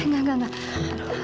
enggak enggak enggak